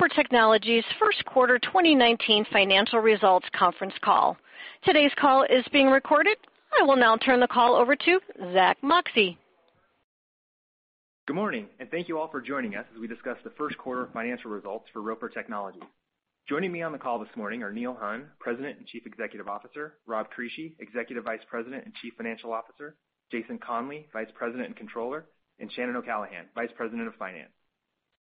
Roper Technologies first quarter 2019 financial results conference call. Today's call is being recorded. I will now turn the call over to Zack Moxcey. Good morning, and thank you all for joining us as we discuss the first quarter financial results for Roper Technologies. Joining me on the call this morning are Neil Hunn, President and Chief Executive Officer; Rob Crisci, Executive Vice President and Chief Financial Officer; Jason Conley, Vice President and Controller; and Shannon O'Callaghan, Vice President of Finance.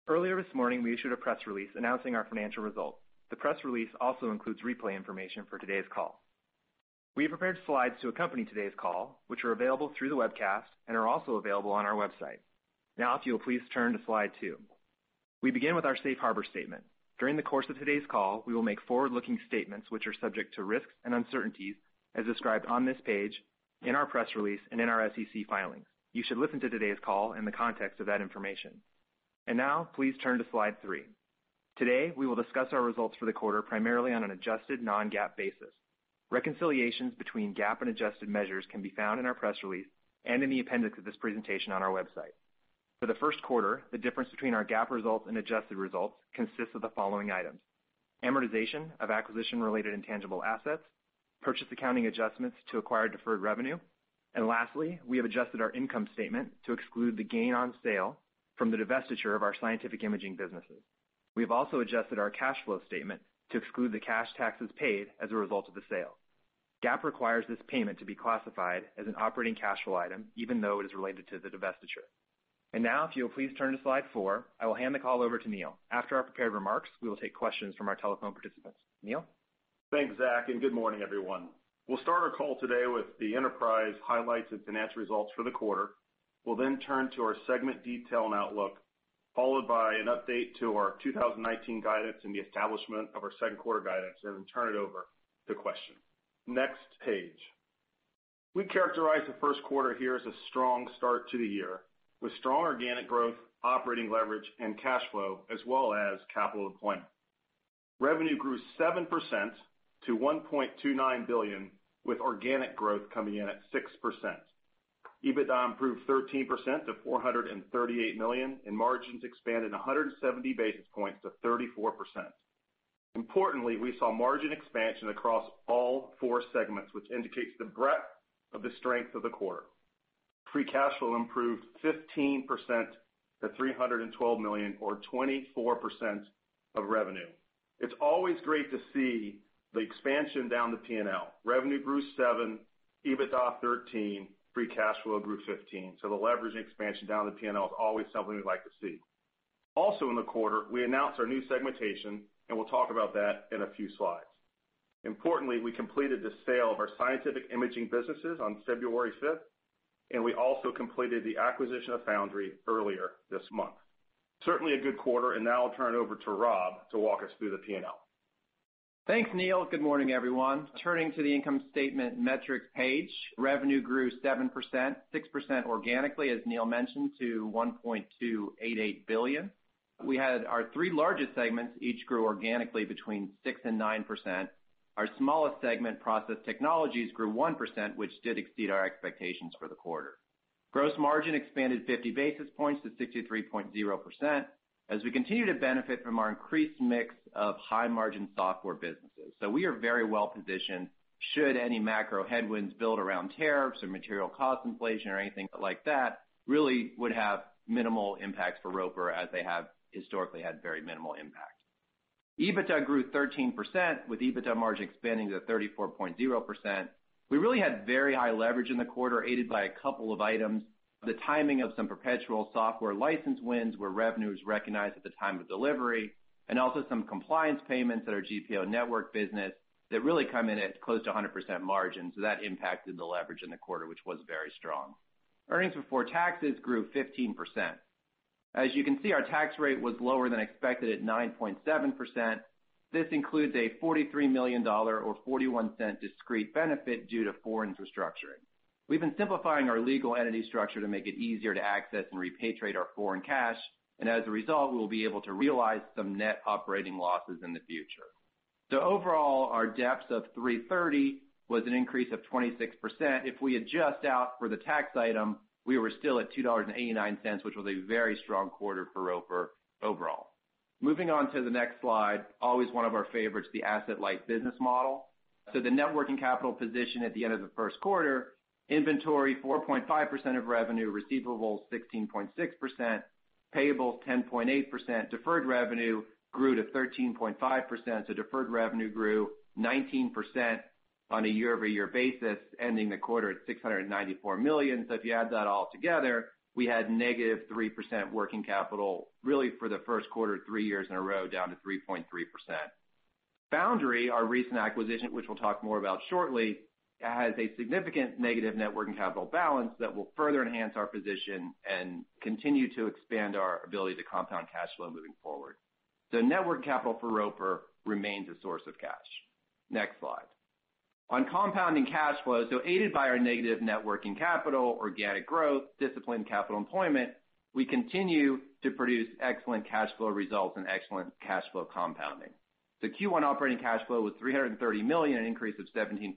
Earlier this morning, we issued a press release announcing our financial results. The press release also includes replay information for today's call. We have prepared slides to accompany today's call, which are available through the webcast and are also available on our website. If you'll please turn to slide two. We begin with our safe harbor statement. During the course of today's call, we will make forward-looking statements which are subject to risks and uncertainties as described on this page, in our press release, and in our SEC filings. You should listen to today's call in the context of that information. Now, please turn to slide three. Today, we will discuss our results for the quarter primarily on an adjusted non-GAAP basis. Reconciliations between GAAP and adjusted measures can be found in our press release and in the appendix of this presentation on our website. For the first quarter, the difference between our GAAP results and adjusted results consists of the following items: amortization of acquisition-related intangible assets, purchase accounting adjustments to acquire deferred revenue, and lastly, we have adjusted our income statement to exclude the gain on sale from the divestiture of our scientific imaging businesses. We have also adjusted our cash flow statement to exclude the cash taxes paid as a result of the sale. GAAP requires this payment to be classified as an operating cash flow item, even though it is related to the divestiture. Now, if you'll please turn to slide four, I will hand the call over to Neil. After our prepared remarks, we will take questions from our telephone participants. Neil? Thanks, Zack. Good morning, everyone. We'll start our call today with the enterprise highlights and financial results for the quarter. We'll then turn to our segment detail and outlook, followed by an update to our 2019 guidance and the establishment of our second quarter guidance, then turn it over to questions. Next page. We characterize the first quarter here as a strong start to the year, with strong organic growth, operating leverage, and cash flow, as well as capital deployment. Revenue grew 7% to $1.29 billion, with organic growth coming in at 6%. EBITDA improved 13% to $438 million, margins expanded 170 basis points to 34%. Importantly, we saw margin expansion across all four segments, which indicates the breadth of the strength of the quarter. Free cash flow improved 15% to $312 million or 24% of revenue. It's always great to see the expansion down the P&L. Revenue grew 7%, EBITDA 13%, free cash flow grew 15%, the leverage and expansion down the P&L is always something we like to see. Also in the quarter, we announced our new segmentation, and we'll talk about that in a few slides. Importantly, we completed the sale of our scientific imaging businesses on February 5th, and we also completed the acquisition of Foundry earlier this month. Certainly a good quarter, I'll turn it over to Rob to walk us through the P&L. Thanks, Neil. Good morning, everyone. Turning to the income statement metrics page, revenue grew 7%, 6% organically, as Neil mentioned, to $1.288 billion. We had our three largest segments each grew organically between 6% and 9%. Our smallest segment, process technologies, grew 1%, which did exceed our expectations for the quarter. Gross margin expanded 50 basis points to 63.0% as we continue to benefit from our increased mix of high-margin software businesses. We are very well-positioned should any macro headwinds build around tariffs or material cost inflation or anything like that, really would have minimal impact for Roper as they have historically had very minimal impact. EBITDA grew 13%, with EBITDA margin expanding to 34.0%. We really had very high leverage in the quarter, aided by a couple of items. The timing of some perpetual software license wins where revenue is recognized at the time of delivery, and also some compliance payments at our GPO network business that really come in at close to a 100% margin, that impacted the leverage in the quarter, which was very strong. Earnings before taxes grew 15%. As you can see, our tax rate was lower than expected at 9.7%. This includes a $43 million or $0.41 discrete benefit due to foreign restructuring. We've been simplifying our legal entity structure to make it easier to access and repatriate our foreign cash, as a result, we'll be able to realize some net operating losses in the future. Overall, our DEPS of $3.30 was an increase of 26%. If we adjust out for the tax item, we were still at $2.89, which was a very strong quarter for Roper overall. Moving on to the next slide, always one of our favorites, the asset-light business model. The net working capital position at the end of the first quarter, inventory 4.5% of revenue, receivables 16.6%, payables 10.8%. Deferred revenue grew to 13.5%, deferred revenue grew 19% on a year-over-year basis, ending the quarter at $694 million. If you add that all together, we had -3% working capital, really for the first quarter three years in a row, down to 3.3%. Foundry, our recent acquisition, which we'll talk more about shortly, has a significant negative net working capital balance that will further enhance our position and continue to expand our ability to compound cash flow moving forward. Net working capital for Roper remains a source of cash. Next slide. On compounding cash flows, aided by our negative net working capital, organic growth, disciplined capital employment, we continue to produce excellent cash flow results and excellent cash flow compounding. The Q1 operating cash flow was $330 million, an increase of 17%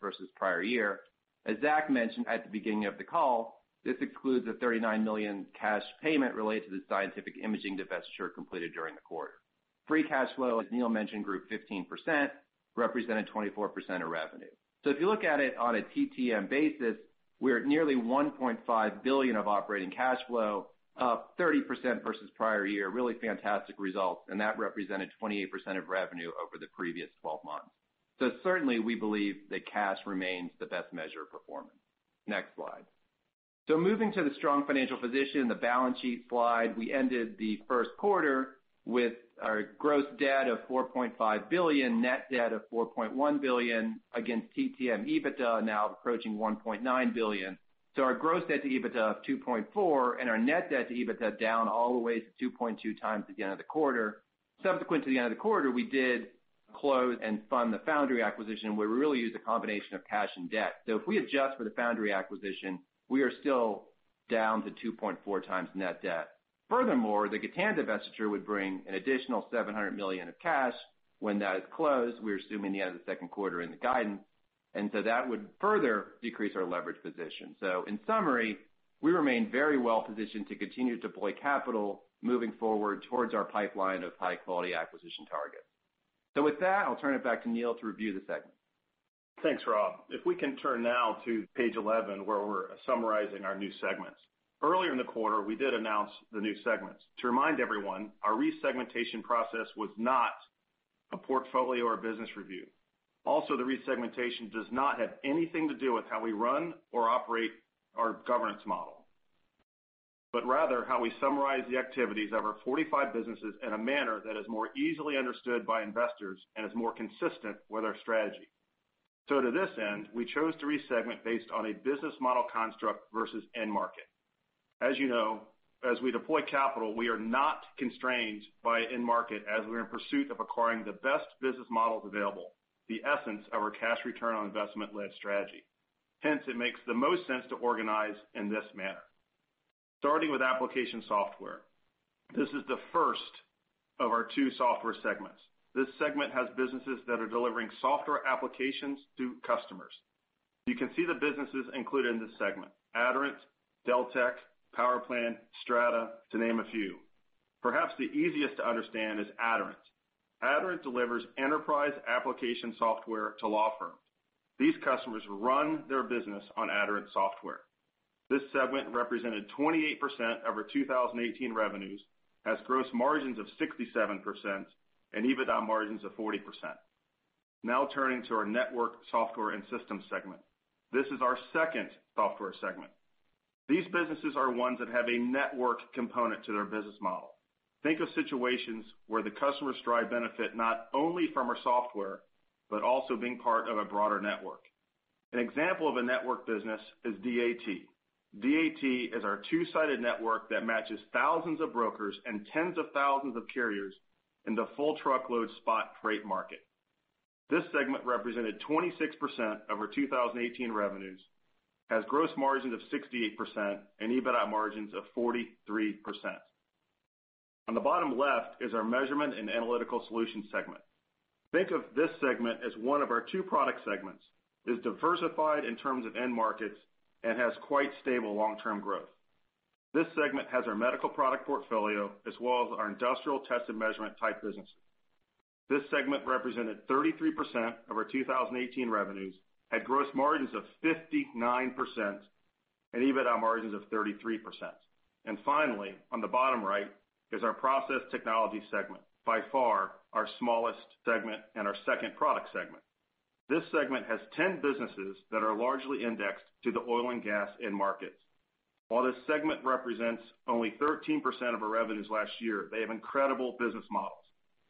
versus prior year. As Zack mentioned at the beginning of the call, this includes a $39 million cash payment related to the scientific imaging divestiture completed during the quarter. Free cash flow, as Neil mentioned, grew 15%, representing 24% of revenue. If you look at it on a TTM basis, we're at nearly $1.5 billion of operating cash flow, up 30% versus prior year. Really fantastic results, that represented 28% of revenue over the previous 12 months. Certainly, we believe that cash remains the best measure of performance. Next slide. Moving to the strong financial position, the balance sheet slide. We ended the first quarter with our gross debt of $4.5 billion, net debt of $4.1 billion against TTM EBITDA now approaching $1.9 billion. Our gross debt to EBITDA of 2.4x and our net debt to EBITDA down all the way to 2.2x at the end of the quarter. Subsequent to the end of the quarter, we did close and fund the Foundry acquisition, where we really used a combination of cash and debt. If we adjust for the Foundry acquisition, we are still down to 2.4x net debt. Furthermore, the Gatan divestiture would bring an additional $700 million of cash when that is closed. We're assuming the end of the second quarter in the guidance, that would further decrease our leverage position. In summary, we remain very well positioned to continue to deploy capital moving forward towards our pipeline of high-quality acquisition targets. With that, I'll turn it back to Neil to review the segment. Thanks, Rob. If we can turn now to page 11, where we're summarizing our new segments. Earlier in the quarter, we did announce the new segments. To remind everyone, our resegmentation process was not a portfolio or business review. The resegmentation does not have anything to do with how we run or operate our governance model, but rather how we summarize the activities of our 45 businesses in a manner that is more easily understood by investors and is more consistent with our strategy. To this end, we chose to resegment based on a business model construct versus end market. As you know, as we deploy capital, we are not constrained by end market as we are in pursuit of acquiring the best business models available, the essence of our cash return on investment-led strategy. Hence, it makes the most sense to organize in this manner. Starting with application software. This is the first of our two software segments. This segment has businesses that are delivering software applications to customers. You can see the businesses included in this segment, Aderant, Deltek, PowerPlan, Strata, to name a few. Perhaps the easiest to understand is Aderant. Aderant delivers enterprise application software to law firms. These customers run their business on Aderant software. This segment represented 28% of our 2018 revenues, has gross margins of 67%, and EBITDA margins of 40%. Now turning to our network software and systems segment. This is our second software segment. These businesses are ones that have a network component to their business model. Think of situations where the customers derive benefit not only from our software, but also being part of a broader network. An example of a network business is DAT. DAT is our two-sided network that matches thousands of brokers and tens of thousands of carriers in the full truckload spot freight market. This segment represented 26% of our 2018 revenues, has gross margins of 68%, and EBITDA margins of 43%. On the bottom left is our measurement and analytical solutions segment. Think of this segment as one of our two product segments. It is diversified in terms of end markets and has quite stable long-term growth. This segment has our medical product portfolio as well as our industrial test and measurement type businesses. This segment represented 33% of our 2018 revenues, had gross margins of 59%, and EBITDA margins of 33%. Finally, on the bottom right is our process technology segment. By far, our smallest segment and our second product segment. This segment has 10 businesses that are largely indexed to the oil and gas end markets. While this segment represents only 13% of our revenues last year, they have incredible business models,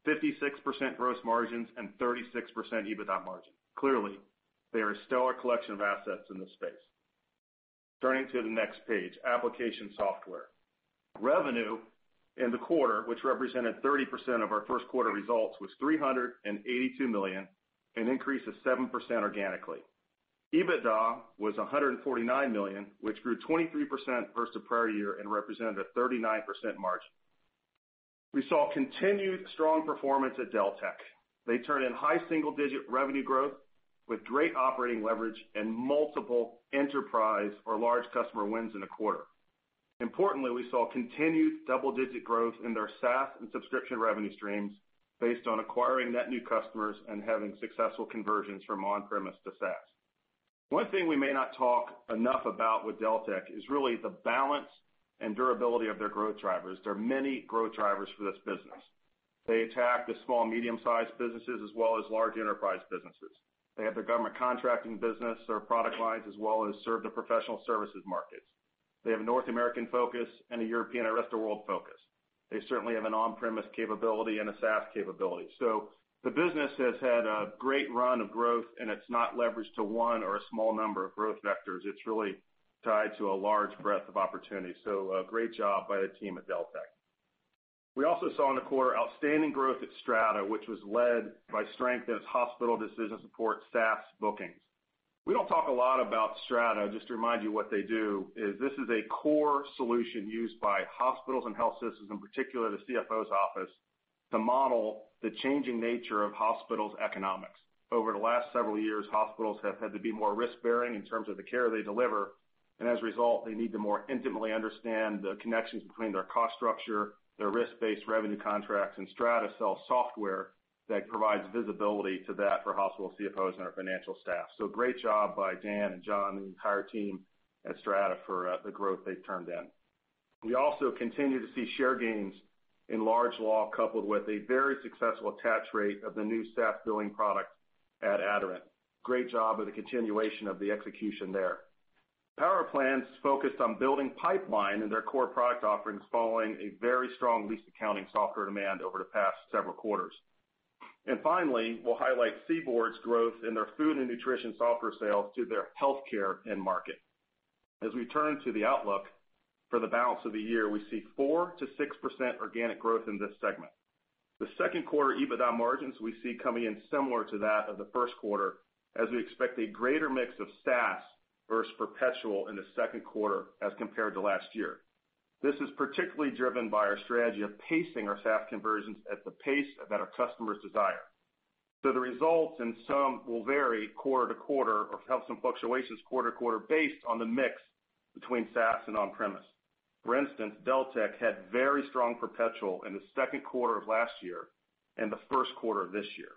56% gross margins and 36% EBITDA margin. Clearly, they are a stellar collection of assets in this space. Turning to the next page, application software. Revenue in the quarter, which represented 30% of our first quarter results, was $382 million, an increase of 7% organically. EBITDA was $149 million, which grew 23% versus the prior year and represented a 39% margin. We saw continued strong performance at Deltek. They turned in high single-digit revenue growth with great operating leverage and multiple enterprise or large customer wins in a quarter. Importantly, we saw continued double-digit growth in their SaaS and subscription revenue streams based on acquiring net new customers and having successful conversions from on-premise to SaaS. One thing we may not talk enough about with Deltek is really the balance and durability of their growth drivers. There are many growth drivers for this business. They attack the small, medium-sized businesses as well as large enterprise businesses. They have their government contracting business, their product lines, as well as serve the professional services markets. They have North American focus and a European, rest of world focus. They certainly have an on-premise capability and a SaaS capability. The business has had a great run of growth, and it's not leveraged to one or a small number of growth vectors. It's really tied to a large breadth of opportunity. Great job by the team at Deltek. We also saw in the quarter outstanding growth at Strata, which was led by strength in its hospital decision support SaaS bookings. We don't talk a lot about Strata. Just to remind you what they do is this is a core solution used by hospitals and health systems, in particular the CFO's office, to model the changing nature of hospitals' economics. Over the last several years, hospitals have had to be more risk-bearing in terms of the care they deliver, and as a result, they need to more intimately understand the connections between their cost structure, their risk-based revenue contracts, and Strata sells software that provides visibility to that for hospital CFOs and our financial staff. Great job by Dan and John and the entire team at Strata for the growth they've turned in. We also continue to see share gains in large law, coupled with a very successful attach rate of the new staff billing product at Aderant. Great job of the continuation of the execution there. PowerPlan focused on building pipeline in their core product offerings following a very strong lease accounting software demand over the past several quarters. Finally, we'll highlight CBORD's growth in their food and nutrition software sales to their healthcare end market. As we turn to the outlook for the balance of the year, we see 4%-6% organic growth in this segment. The second quarter EBITDA margins we see coming in similar to that of the first quarter, as we expect a greater mix of SaaS versus perpetual in the second quarter as compared to last year. This is particularly driven by our strategy of pacing our SaaS conversions at the pace that our customers desire. The results in some will vary quarter to quarter or have some fluctuations quarter to quarter based on the mix between SaaS and on-premise. For instance, Deltek had very strong perpetual in the second quarter of last year and the first quarter of this year.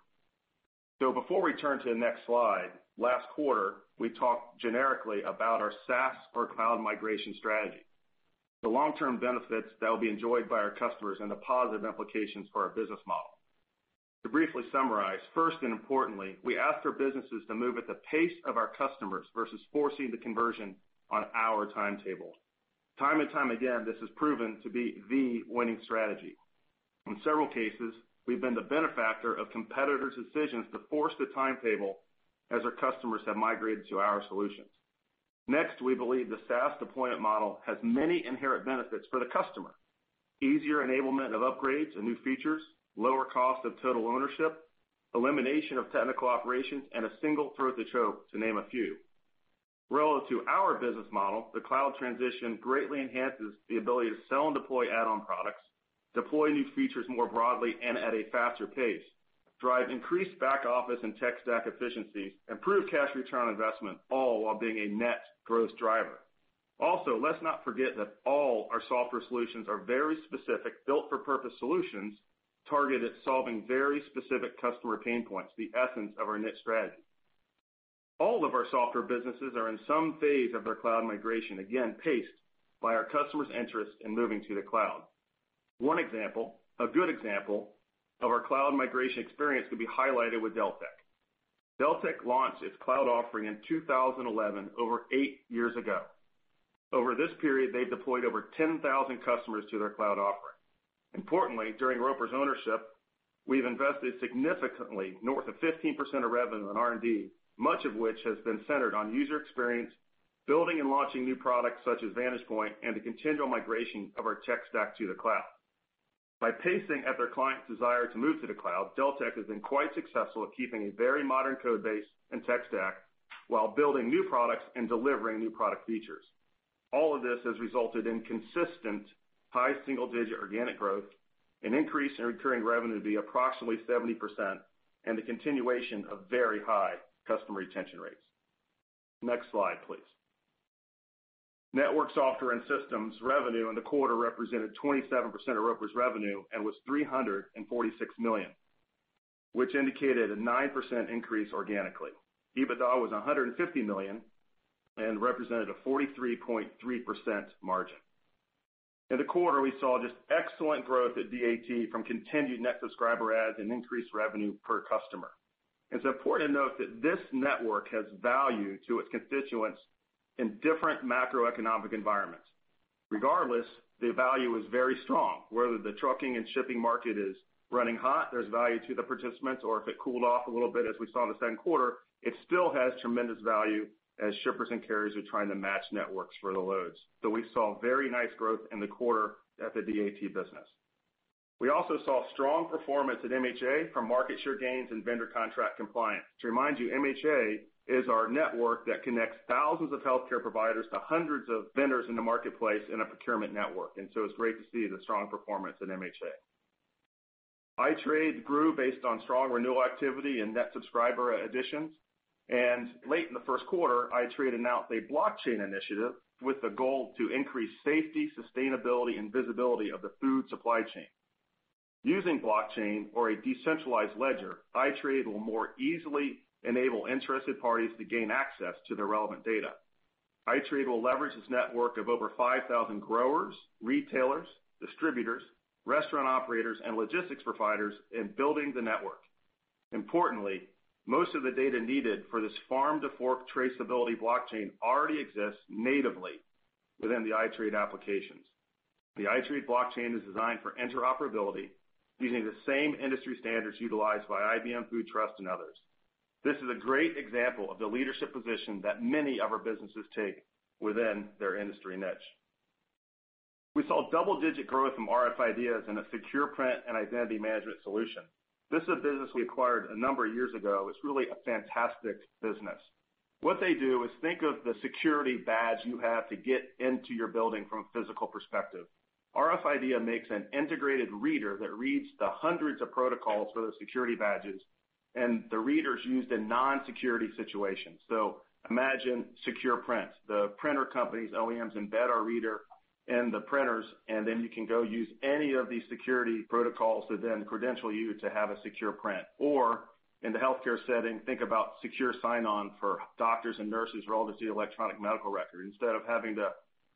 Before we turn to the next slide, last quarter, we talked generically about our SaaS or cloud migration strategy, the long-term benefits that will be enjoyed by our customers, and the positive implications for our business model. To briefly summarize, first and importantly, we ask our businesses to move at the pace of our customers versus forcing the conversion on our timetable. Time and time again, this has proven to be the winning strategy. In several cases, we've been the benefactor of competitors' decisions to force the timetable as our customers have migrated to our solutions. Next, we believe the SaaS deployment model has many inherent benefits for the customer. Easier enablement of upgrades and new features, lower cost of total ownership, elimination of technical operations, and a single throat to choke, to name a few. Relative to our business model, the cloud transition greatly enhances the ability to sell and deploy add-on products, deploy new features more broadly and at a faster pace, drive increased back-office and tech stack efficiencies, improve cash return on investment, all while being a net growth driver. Let's not forget that all our software solutions are very specific, built-for-purpose solutions targeted at solving very specific customer pain points, the essence of our net strategy. All of our software businesses are in some phase of their cloud migration, again, paced by our customers' interest in moving to the cloud. One example, a good example of our cloud migration experience could be highlighted with Deltek. Deltek launched its cloud offering in 2011, over eight years ago. Over this period, they deployed over 10,000 customers to their cloud offering. Importantly, during Roper's ownership, we've invested significantly, north of 15% of revenue on R&D, much of which has been centered on user experience, building and launching new products such as Vantagepoint, and the continual migration of our tech stack to the cloud. By pacing at their clients' desire to move to the cloud, Deltek has been quite successful at keeping a very modern code base and tech stack while building new products and delivering new product features. All of this has resulted in consistent, high single-digit organic growth, an increase in recurring revenue to be approximately 70%, and the continuation of very high customer retention rates. Next slide, please. network software and systems revenue in the quarter represented 27% of Roper's revenue and was $346 million, which indicated a 9% increase organically. EBITDA was $150 million and represented a 43.3% margin. In the quarter, we saw just excellent growth at DAT from continued net subscriber adds and increased revenue per customer. It's important to note that this network has value to its constituents in different macroeconomic environments. Regardless, the value is very strong. Whether the trucking and shipping market is running hot, there's value to the participants, or if it cooled off a little bit as we saw in the second quarter, it still has tremendous value as shippers and carriers are trying to match networks for the loads. We saw very nice growth in the quarter at the DAT business. We also saw strong performance at MHA from market share gains and vendor contract compliance. To remind you, MHA is our network that connects thousands of healthcare providers to hundreds of vendors in the marketplace in a procurement network. It's great to see the strong performance at MHA. iTrade grew based on strong renewal activity and net subscriber additions. Late in the first quarter, iTrade announced a blockchain initiative with the goal to increase safety, sustainability, and visibility of the food supply chain. Using blockchain or a decentralized ledger, iTrade will more easily enable interested parties to gain access to the relevant data. iTrade will leverage its network of over 5,000 growers, retailers, distributors, restaurant operators, and logistics providers in building the network. Importantly, most of the data needed for this farm-to-fork traceability blockchain already exists natively within the iTrade applications. The iTrade blockchain is designed for interoperability using the same industry standards utilized by IBM Food Trust and others. This is a great example of the leadership position that many of our businesses take within their industry niche. We saw double-digit growth from rf IDEAS in a secure print and identity management solution. This is a business we acquired a number of years ago. It's really a fantastic business. What they do is think of the security badge you have to get into your building from a physical perspective. rf IDEAS makes an integrated reader that reads the hundreds of protocols for those security badges and the readers used in non-security situations. Imagine secure prints. The printer companies, OEMs embed our reader in the printers, and then you can go use any of these security protocols to then credential you to have a secure print. In the healthcare setting, think about secure sign-on for doctors and nurses relative to the electronic medical record. Instead of having to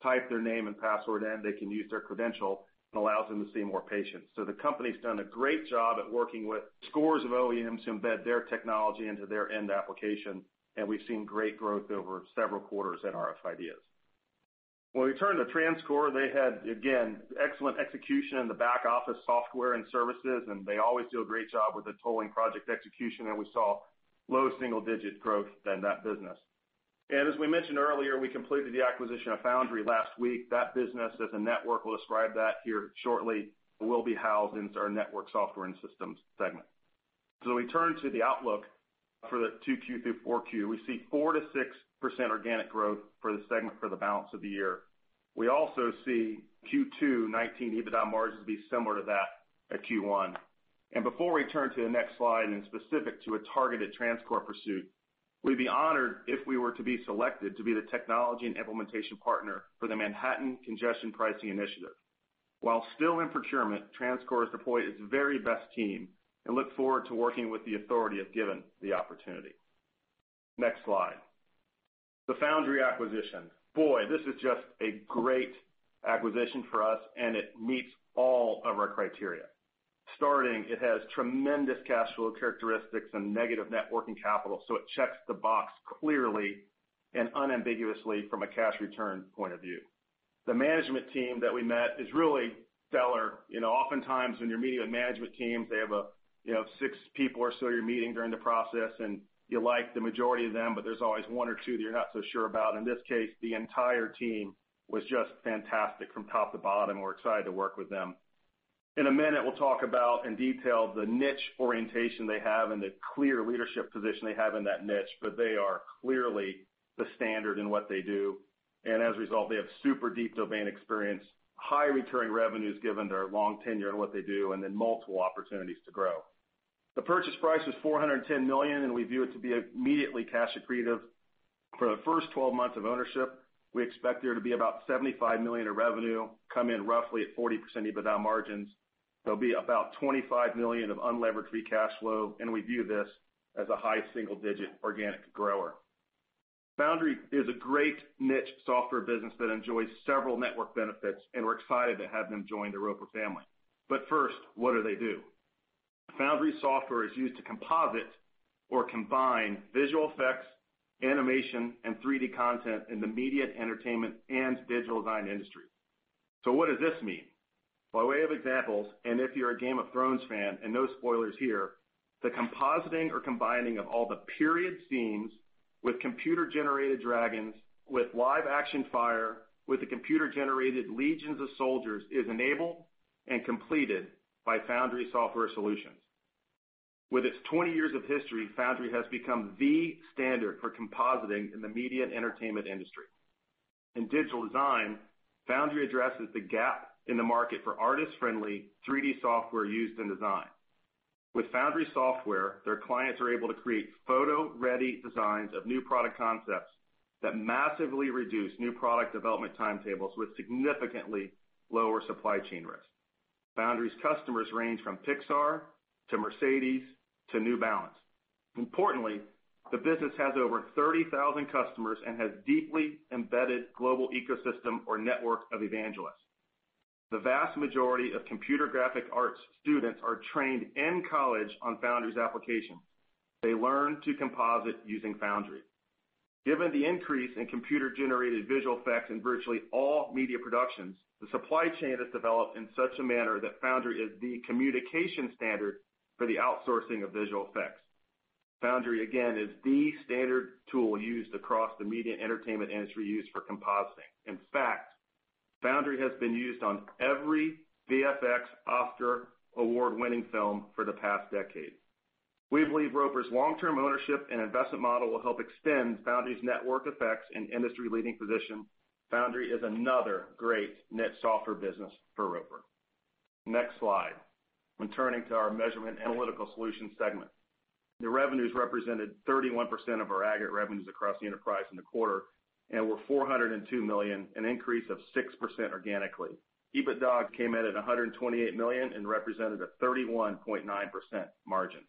type their name and password in, they can use their credential. It allows them to see more patients. The company's done a great job at working with scores of OEMs to embed their technology into their end application, and we've seen great growth over several quarters at rf IDEAS. We turn to TransCore, they had, again, excellent execution in the back-office software and services, and they always do a great job with the tolling project execution, and we saw low single-digit growth in that business. As we mentioned earlier, we completed the acquisition of Foundry last week. That business as a network, we'll describe that here shortly, will be housed into our network software and systems segment. We turn to the outlook for the 2Q through 4Q. We see 4%-6% organic growth for the segment for the balance of the year. We also see Q2 2019 EBITDA margins be similar to that at Q1. Before we turn to the next slide and specific to a targeted TransCore pursuit, we'd be honored if we were to be selected to be the technology and implementation partner for the Manhattan Congestion Pricing Initiative. While still in procurement, TransCore has deployed its very best team and look forward to working with the authority if given the opportunity. Next slide. The Foundry acquisition. Boy, this is just a great acquisition for us, and it meets all of our criteria. Starting, it has tremendous cash flow characteristics and negative net working capital, so it checks the box clearly and unambiguously from a cash return point of view. The management team that we met is really stellar. You know, oftentimes when you're meeting with management teams, they have, you know, six people or so you're meeting during the process, and you like the majority of them, but there's always one or two that you're not so sure about. In this case, the entire team was just fantastic from top to bottom. We're excited to work with them. In a minute, we'll talk about in detail the niche orientation they have and the clear leadership position they have in that niche. They are clearly the standard in what they do. As a result, they have super deep domain experience, high returning revenues given their long tenure and what they do, and then multiple opportunities to grow. The purchase price was 410 million. We view it to be immediately cash accretive. For the first 12 months of ownership, we expect there to be about $75 million of revenue come in roughly at 40% EBITDA margins. There'll be about $25 million of unlevered free cash flow. We view this as a high single-digit organic grower. Foundry is a great niche software business that enjoys several network benefits. We're excited to have them join the Roper family. First, what do they do? Foundry software is used to composite or combine visual effects, animation, and 3D content in the media and entertainment and digital design industry. What does this mean? By way of examples, if you're a Game of Thrones fan, no spoilers here, the compositing or combining of all the period scenes with computer-generated dragons, with live-action fire, with the computer-generated legions of soldiers is enabled and completed by Foundry software solutions. With its 20 years of history, Foundry has become the standard for compositing in the media and entertainment industry. In digital design, Foundry addresses the gap in the market for artist-friendly 3D software used in design. With Foundry software, their clients are able to create photo-ready designs of new product concepts that massively reduce new product development timetables with significantly lower supply chain risk. Foundry's customers range from Pixar to Mercedes to New Balance. Importantly, the business has over 30,000 customers and has deeply embedded global ecosystem or network of evangelists. The vast majority of computer graphic arts students are trained in college on Foundry's application. They learn to composite using Foundry. Given the increase in computer-generated visual effects in virtually all media productions, the supply chain has developed in such a manner that Foundry is the communication standard for the outsourcing of visual effects. Foundry, again, is the standard tool used across the media and entertainment industry used for compositing. In fact, Foundry has been used on every VFX Oscar award-winning film for the past decade. We believe Roper's long-term ownership and investment model will help extend Foundry's network effects and industry-leading position. Foundry is another great niche software business for Roper. Next slide. When turning to our measurement analytical solutions segment. The revenues represented 31% of our aggregate revenues across the enterprise in the quarter and were $402 million, an increase of 6% organically. EBITDA came in at $128 million and represented a 31.9% margin.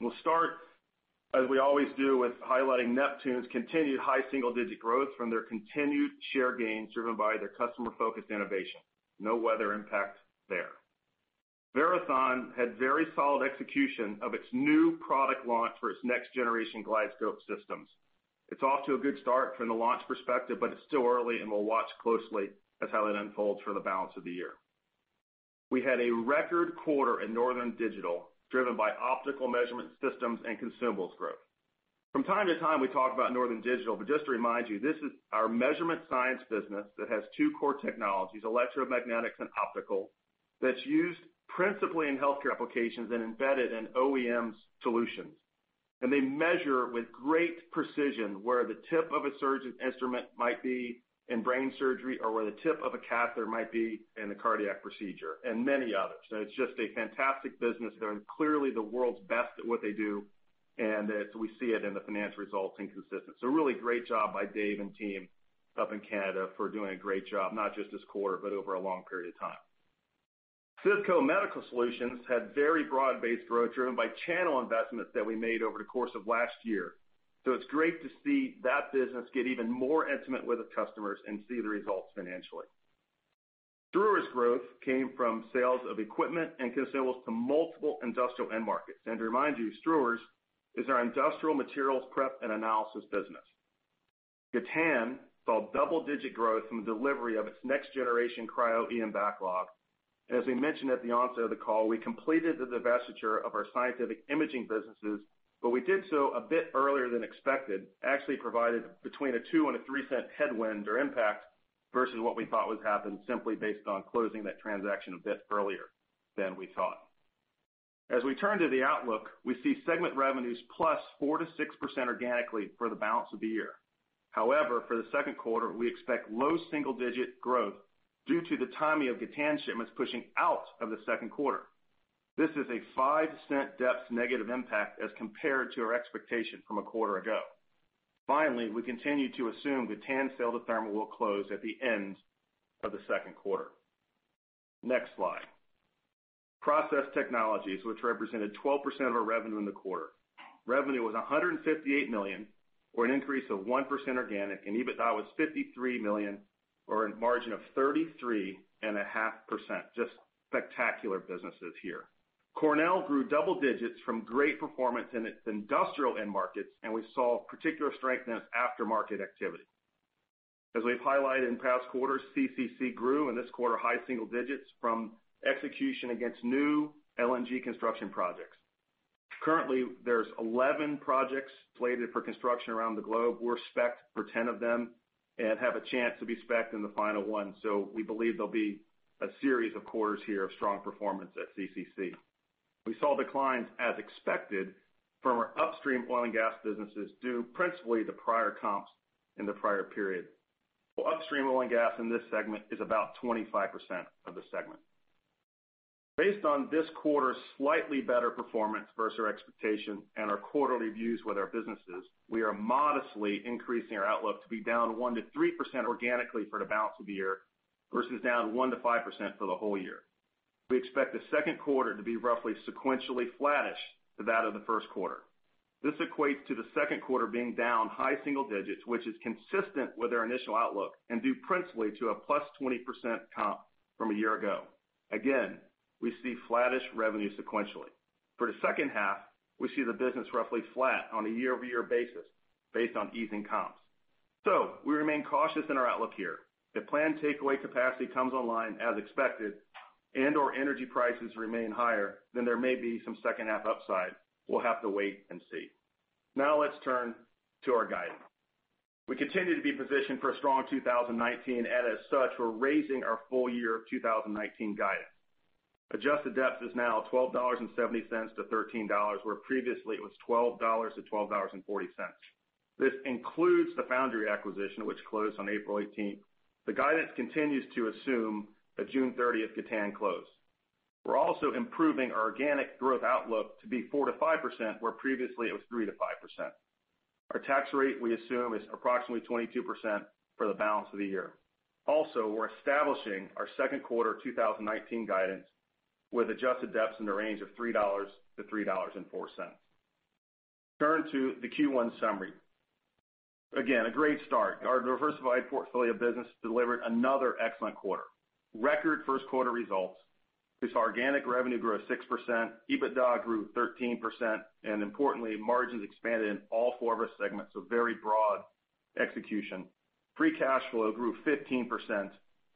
We'll start, as we always do, with highlighting Neptune's continued high single-digit growth from their continued share gains driven by their customer-focused innovation. No weather impact there. Verathon had very solid execution of its new product launch for its next-generation GlideScope systems. It's off to a good start from the launch perspective, but it's still early, and we'll watch closely at how that unfolds for the balance of the year. We had a record quarter in Northern Digital, driven by optical measurement systems and consumables growth. From time to time, we talk about Northern Digital, just to remind you, this is our measurement science business that has two core technologies, electromagnetics and optical, that's used principally in healthcare applications and embedded in OEM solutions. They measure with great precision where the tip of a surgeon's instrument might be in brain surgery or where the tip of a catheter might be in a cardiac procedure, and many others. It's just a fantastic business. They're clearly the world's best at what they do, and we see it in the financial results and consistency. Really great job by Dave and team up in Canada for doing a great job, not just this quarter, but over a long period of time. CIVCO Medical Solutions had very broad-based growth driven by channel investments that we made over the course of last year. It's great to see that business get even more intimate with the customers and see the results financially. Struers' growth came from sales of equipment and consumables to multiple industrial end markets. To remind you, Struers is our industrial materials prep and analysis business. Gatan saw double-digit growth from the delivery of its next-generation cryo-EM backlog. As we mentioned at the onset of the call, we completed the divestiture of our scientific imaging businesses, but we did so a bit earlier than expected. Provided between a $0.02-$0.03 headwind or impact versus what we thought would happen simply based on closing that transaction a bit earlier than we thought. As we turn to the outlook, we see segment revenues +4%-6% organically for the balance of the year. However, for the second quarter, we expect low single-digit growth due to the timing of Gatan shipments pushing out of the second quarter. This is a $0.05 DEPS negative impact as compared to our expectation from a quarter ago. Finally, we continue to assume Gatan sale to Thermo will close at the end of the second quarter. Next slide. Process Technologies, which represented 12% of our revenue in the quarter. Revenue was $158 million, or an increase of 1% organic, and EBITDA was $53 million, or a margin of 33.5%. Just spectacular businesses here. Cornell grew double digits from great performance in its industrial end markets, and we saw particular strength in its aftermarket activity. As we've highlighted in past quarters, CCC grew in this quarter high single digits from execution against new LNG construction projects. Currently, there's 11 projects slated for construction around the globe. We're spec-ed for 10 of them and have a chance to be spec-ed in the final one. We believe there'll be a series of quarters here of strong performance at CCC. We saw declines as expected from our upstream oil and gas businesses, due principally to prior comps in the prior period. Upstream oil and gas in this segment is about 25% of the segment. Based on this quarter's slightly better performance versus our expectation and our quarterly views with our businesses, we are modestly increasing our outlook to be down 1%-3% organically for the balance of the year, versus down 1%-5% for the whole year. We expect the second quarter to be roughly sequentially flattish to that of the first quarter. This equates to the second quarter being down high single digits, which is consistent with our initial outlook and due principally to a +20% comp from a year-ago. Again, we see flattish revenue sequentially. For the second half, we see the business roughly flat on a year-over-year basis based on easing comps. We remain cautious in our outlook here. If planned takeaway capacity comes online as expected and/or energy prices remain higher, there may be some second half upside. We'll have to wait and see. Now let's turn to our guidance. We continue to be positioned for a strong 2019, and as such, we're raising our full year of 2019 guidance. Adjusted DEPS is now $12.70-$13, where previously it was $12-$12.40. This includes the Foundry acquisition, which closed on April 18th. The guidance continues to assume a June 30th Gatan close. We're also improving our organic growth outlook to be 4%-5%, where previously it was 3%-5%. Our tax rate, we assume, is approximately 22% for the balance of the year. We're establishing our second quarter 2019 guidance with adjusted DEPS in the range of $3-$3.04. Turn to the Q1 summary. A great start. Our diversified portfolio of business delivered another excellent quarter. Record first quarter results. This organic revenue grew at 6%, EBITDA grew 13%, and importantly, margins expanded in all 4 of our segments, so very broad execution. Free cash flow grew 15%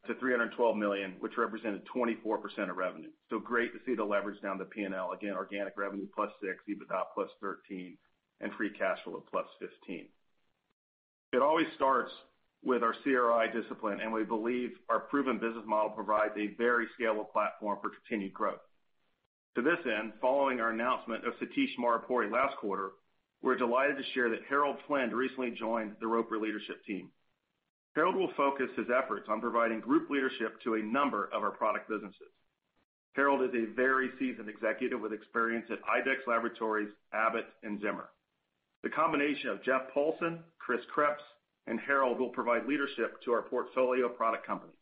to $312 million, which represented 24% of revenue. Great to see the leverage down to P&L. Again, organic revenue +6%, EBITDA +13%, and free cash flow +15%. It always starts with our CRI discipline, and we believe our proven business model provides a very scalable platform for continued growth. To this end, following our announcement of Satish Maripuri last quarter, we're delighted to share that Harold Flynn recently joined the Roper leadership team. Harold will focus his efforts on providing group leadership to a number of our product businesses. Harold is a very seasoned executive with experience at IDEXX Laboratories, Abbott, and Zimmer. The combination of Jeffrey Paulsen, Chris Krieps, and Harold will provide leadership to our portfolio of product companies.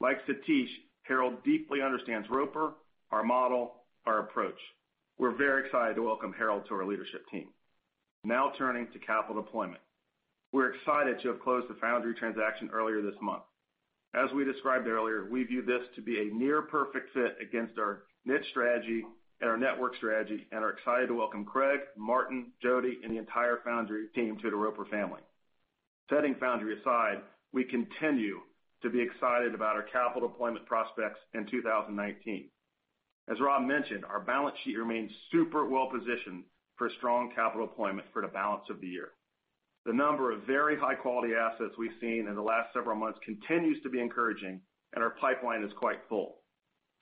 Like Satish, Harold deeply understands Roper, our model, our approach. We're very excited to welcome Harold to our leadership team. Turning to capital deployment. We're excited to have closed the Foundry transaction earlier this month. As we described earlier, we view this to be a near perfect fit against our niche strategy and our network strategy, and are excited to welcome Craig, Martin, Jody, and the entire Foundry team to the Roper family. Setting Foundry aside, we continue to be excited about our capital deployment prospects in 2019. As Rob mentioned, our balance sheet remains super well-positioned for strong capital deployment for the balance of the year. The number of very high-quality assets we've seen in the last several months continues to be encouraging, and our pipeline is quite full.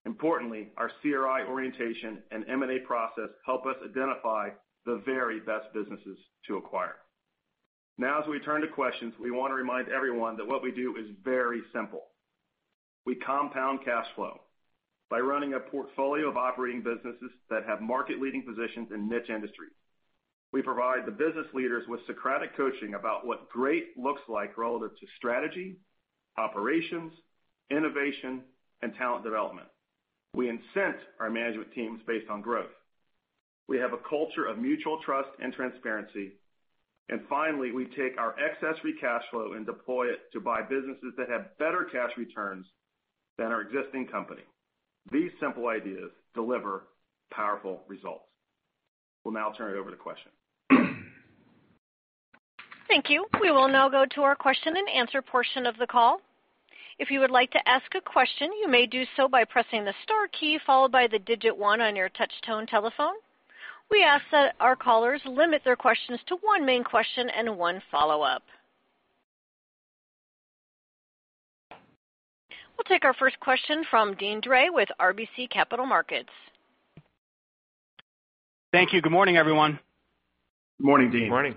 Importantly, our CRI orientation and M&A process help us identify the very best businesses to acquire. Now, as we turn to questions, we wanna remind everyone that what we do is very simple. We compound cash flow by running a portfolio of operating businesses that have market-leading positions in niche industries. We provide the business leaders with Socratic coaching about what great looks like relative to strategy, operations, innovation, and talent development. We incent our management teams based on growth. We have a culture of mutual trust and transparency. Finally, we take our excess free cash flow and deploy it to buy businesses that have better cash returns than our existing company. These simple ideas deliver powerful results. We'll now turn it over to questions. Thank you. We will now go to our question and answer portion of the call. If you would like to ask a question, you may do so by pressing the star key followed by the digit one on your touchtone telephone. We ask that our callers limit their question to just one main question and one follow up. We'll take our first question from Deane Dray with RBC Capital Markets. Thank you. Good morning, everyone. Morning, Deane. Morning.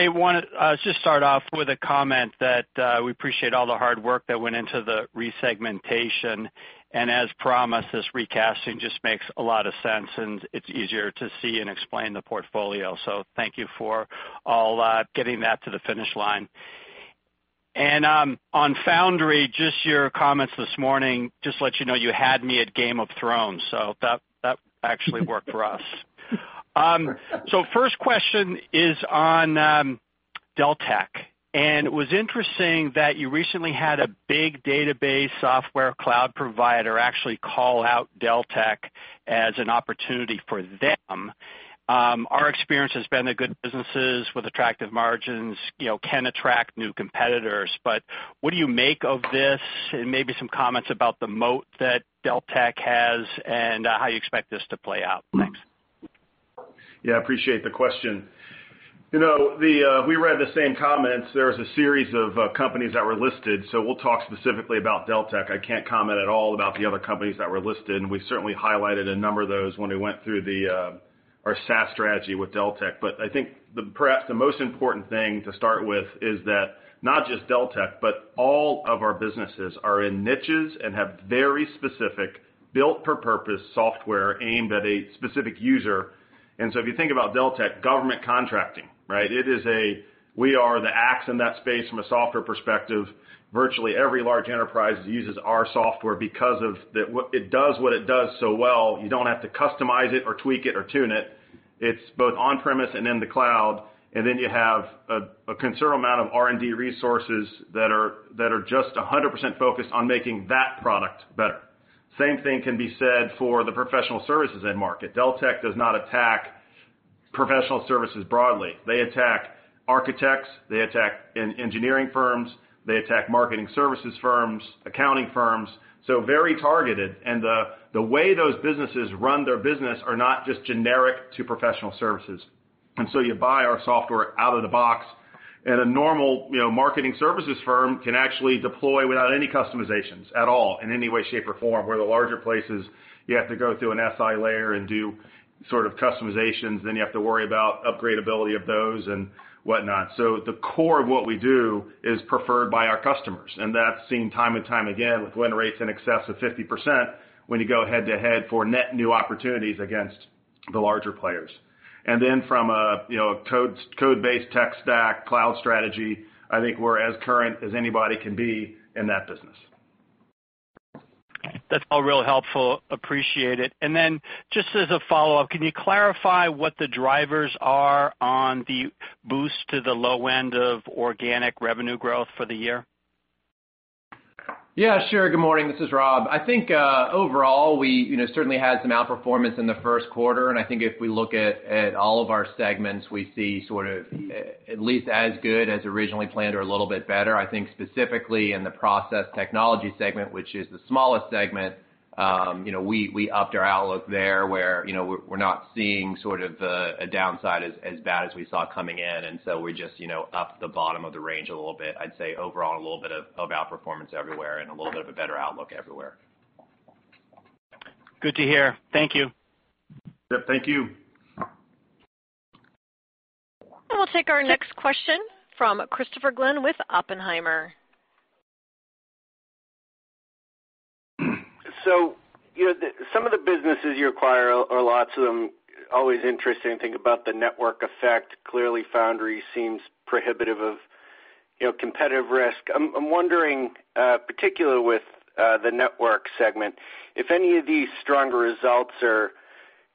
Hey, wanted to just start off with a comment that we appreciate all the hard work that went into the resegmentation. As promised, this recasting just makes a lot of sense, and it's easier to see and explain the portfolio. So thank you for all getting that to the finish line. On Foundry, just your comments this morning, just to let you know, you had me at Game of Thrones, so that actually worked for us. First question is on Deltek. It was interesting that you recently had a big database software cloud provider actually call out Deltek as an opportunity for them. Our experience has been that good businesses with attractive margins, you know, can attract new competitors. What do you make of this? Maybe some comments about the moat that Deltek has and how you expect this to play out. Thanks. Appreciate the question. You know, we read the same comments. There was a series of companies that were listed. We'll talk specifically about Deltek. I can't comment at all about the other companies that were listed. We certainly highlighted a number of those when we went through our SaaS strategy with Deltek. I think the, perhaps the most important thing to start with is that not just Deltek, but all of our businesses are in niches and have very specific built-for-purpose software aimed at a specific user. If you think about Deltek, government contracting, right? It is a, we are the axe in that space from a software perspective. Virtually every large enterprise uses our software because it does what it does so well, you don't have to customize it or tweak it or tune it. It's both on-premise and in the cloud, and then you have a considerable amount of R&D resources that are just 100% focused on making that product better. Same thing can be said for the professional services end market. Deltek does not attack professional services broadly. They attack architects, they attack engineering firms, they attack marketing services firms, accounting firms, so very targeted. The way those businesses run their business are not just generic to professional services. You buy our software out of the box, and a normal, you know, marketing services firm can actually deploy without any customizations at all in any way, shape, or form, where the larger places, you have to go through an SI layer and do sort of customizations, then you have to worry about upgradeability of those and whatnot. At the core of what we do is preferred by our customers, that's seen time and time again with win rates in excess of 50% when you go head-to-head for net new opportunities against the larger players. From a, you know, code-based tech stack cloud strategy, I think we're as current as anybody can be in that business. That's all real helpful. Appreciate it. Just as a follow-up, can you clarify what the drivers are on the boost to the low end of organic revenue growth for the year? Yeah, sure. Good morning. This is Rob. I think, overall, we, you know, certainly had some outperformance in the first quarter, and I think if we look at all of our segments, we see sort of, at least as good as originally planned or a little bit better. I think specifically in the process technology segment, which is the smallest segment, you know, we upped our outlook there, where, you know, we're not seeing sort of, a downside as bad as we saw coming in. We just, you know, upped the bottom of the range a little bit. I'd say overall, a little bit of outperformance everywhere and a little bit of a better outlook everywhere. Good to hear. Thank you. Yep, thank you. We'll take our next question from Christopher Glynn with Oppenheimer. You know, the, some of the businesses you acquire or lots of them, always interesting to think about the network effect. Clearly, Foundry seems prohibitive of, you know, competitive risk. I'm wondering, particularly with the network segment, if any of these stronger results are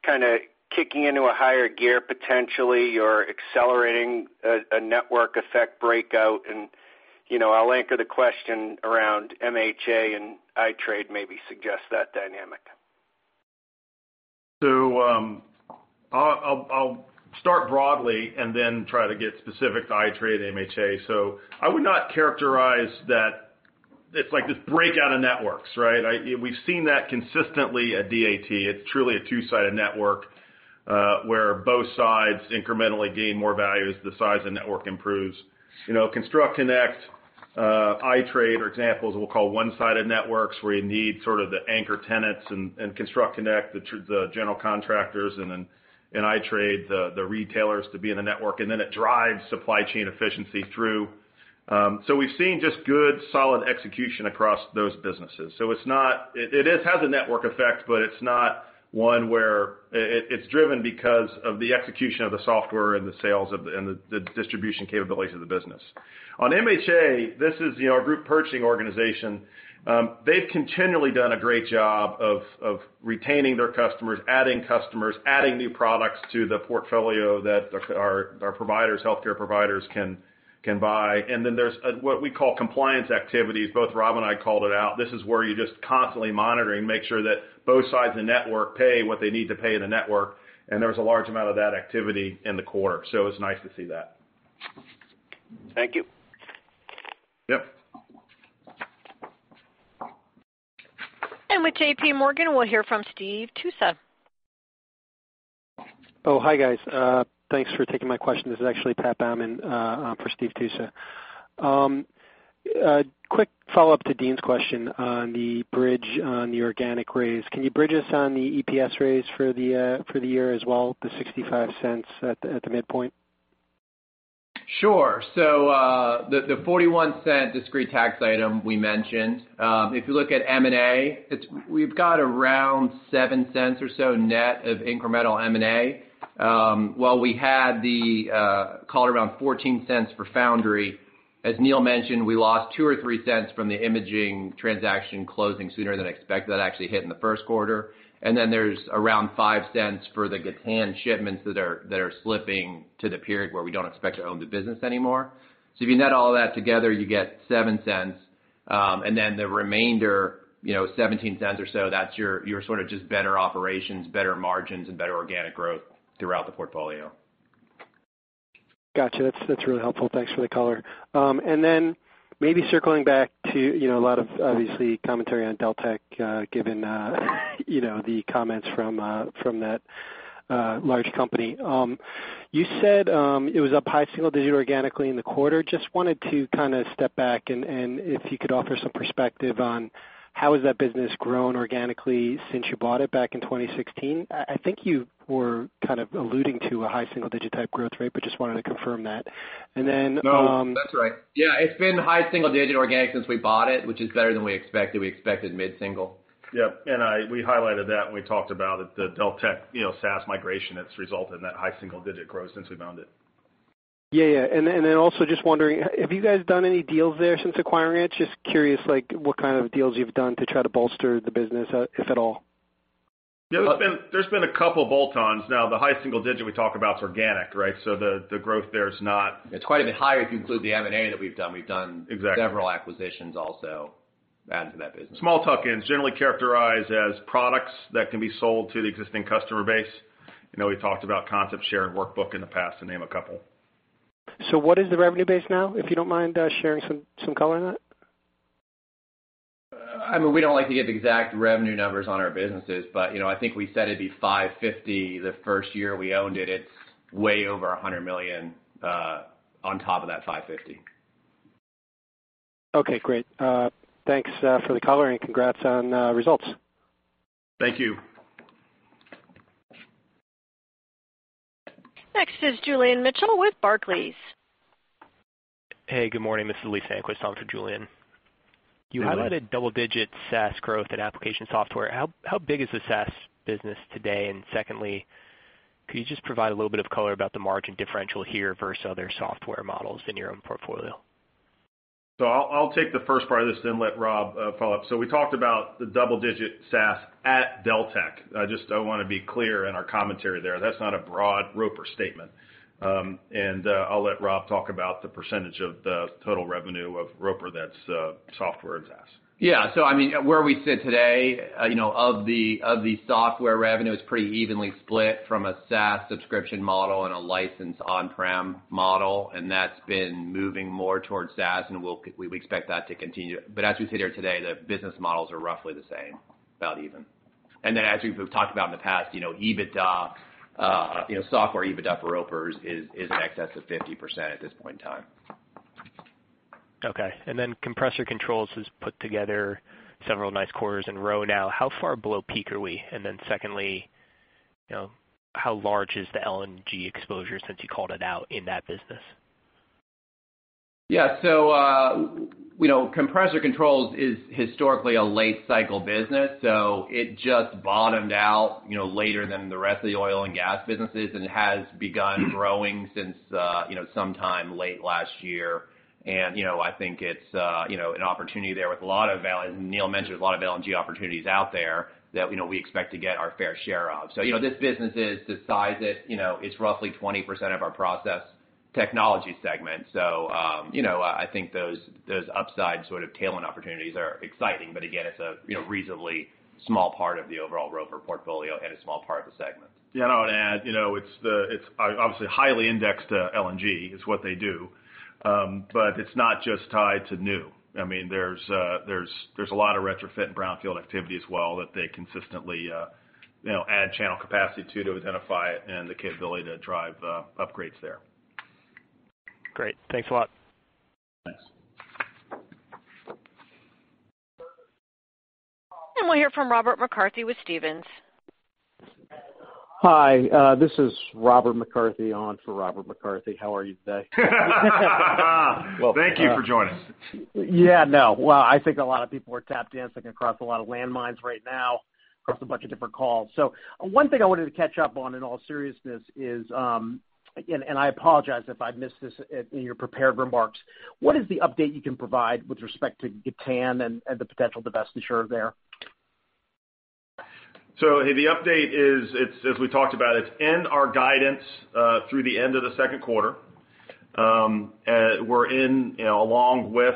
kinda kicking into a higher gear, potentially you're accelerating a network effect breakout and, you know, I'll anchor the question around MHA and iTrade maybe suggests that dynamic. I'll start broadly and then try to get specific to iTrade and MHA. I would not characterize that it's like this breakout of networks, right? We've seen that consistently at DAT. It's truly a two-sided network, where both sides incrementally gain more value as the size of the network improves. You know, ConstructConnect, iTrade are examples we'll call one-sided networks, where you need sort of the anchor tenants and, in ConstructConnect, the general contractors, and then in iTrade, the retailers to be in the network, and then it drives supply chain efficiency through. We've seen just good, solid execution across those businesses. It's not it has a network effect, but it's not one where it's driven because of the execution of the software and the sales of the and the distribution capabilities of the business. On MHA, this is, you know, our group purchasing organization. They've continually done a great job of retaining their customers, adding customers, adding new products to the portfolio that our providers, healthcare providers can buy. There's what we call compliance activities. Both Rob and I called it out. This is where you're just constantly monitoring, make sure that both sides of the network pay what they need to pay the network, and there was a large amount of that activity in the quarter. It's nice to see that. Thank you. Yep. With JPMorgan, we'll hear from Steve Tusa. Hi, guys. Thanks for taking my question. This is actually Pat Baumann for Steve Tusa. A quick follow-up to Deane's question on the bridge on the organic raise. Can you bridge us on the EPS raise for the year as well, the $0.65 at the midpoint? Sure. The $0.41 discrete tax item we mentioned. If you look at M&A, we've got around $0.07 or so net of incremental M&A. While we had the, call it around $0.14 for Foundry, as Neil mentioned, we lost $0.02 or $0.03 from the imaging transaction closing sooner than expected. That actually hit in the first quarter. There's around $0.05 for the Gatan shipments that are slipping to the period where we don't expect to own the business anymore. If you net all that together, you get $0.07. The remainder, you know, $0.17 or so, that's your sort of just better operations, better margins, and better organic growth throughout the portfolio. Gotcha. That's really helpful. Thanks for the color. Maybe circling back to, you know, a lot of obviously commentary on Deltek, given, you know, the comments from that large company. You said, it was up high single digit organically in the quarter. Just wanted to kinda step back and if you could offer some perspective on how has that business grown organically since you bought it back in 2016. I think you were kind of alluding to a high single digit type growth rate, but just wanted to confirm that. No, that's right. Yeah, it's been high single digit organic since we bought it, which is better than we expected. We expected mid-single. Yep. We highlighted that when we talked about it, the Deltek, you know, SaaS migration that's resulted in that high single digit growth since we found it. Yeah. Then also just wondering, have you guys done any deals there since acquiring it? Just curious, like, what kind of deals you've done to try to bolster the business, if at all. Yeah, there's been a couple bolt-ons. The high single digit we talk about is organic, right? The growth there is not. It's quite a bit higher if you include the M&A that we've done. Exactly. Several acquisitions also added to that business. Small tuck-ins generally characterized as products that can be sold to the existing customer base. You know, we talked about ConceptShare and WorkBook in the past, to name a couple. What is the revenue base now, if you don't mind, sharing some color on that? We don't like to give exact revenue numbers on our businesses, but I think we said it'd be $550 million the first year we owned it. It's way over $100 million on top of that $550 million. Okay, great. Thanks for the color and congrats on results. Thank you. Next is Julian Mitchell with Barclays. Hey, good morning. This is Lee Sandquist on for Julian. Hello. You highlighted double-digit SaaS growth in application software. How big is the SaaS business today? Secondly, could you just provide a little bit of color about the margin differential here versus other software models in your own portfolio? I'll take the first part of this, then let Rob follow up. We talked about the double-digit SaaS at Deltek. I wanna be clear in our commentary there, that's not a broad Roper statement. I'll let Rob talk about the percentage of the total revenue of Roper that's software and SaaS. Yeah. I mean, where we sit today, you know, of the software revenue is pretty evenly split from a SaaS subscription model and a licensed on-prem model, and that's been moving more towards SaaS, and we expect that to continue. As we sit here today, the business models are roughly the same, about even. As we've talked about in the past, you know, EBITDA, you know, software EBITDA for Roper is in excess of 50% at this point in time. Okay. Compressor Controls has put together several nice quarters in a row now. How far below peak are we? Secondly, you know, how large is the LNG exposure since you called it out in that business? You know, Compressor Controls is historically a late cycle business, so it just bottomed out, you know, later than the rest of the oil and gas businesses, and it has begun growing since, you know, sometime late last year. You know, I think it's, you know, an opportunity there with a lot of as Neil mentioned, there's a lot of LNG opportunities out there that, you know, we expect to get our fair share of, so you know, this business is to size it, you know, it's roughly 20% of our process technology segment. You know, I think those upside sort of tail end opportunities are exciting, but again, it's a, you know, reasonably small part of the overall Roper portfolio and a small part of the segment. I would add, you know, obviously highly indexed to LNG, it's what they do. It's not just tied to new. I mean, there's a lot of retrofit and brownfield activity as well that they consistently, you know, add channel capacity to identify and the capability to drive upgrades there. Great. Thanks a lot. Thanks. We'll hear from Robert McCarthy with Stephens. Hi, this is Robert McCarthy on for Robert McCarthy. How are you today? Welcome. Thank you for joining us. Well, I think a lot of people are tap dancing across a lot of landmines right now, across a bunch of different calls. One thing I wanted to catch up on in all seriousness is, again, and I apologize if I missed this in your prepared remarks, what is the update you can provide with respect to Gatan and the potential divestiture there? The update is, it's as we talked about, it's in our guidance through the end of the second quarter. We're in, you know, along with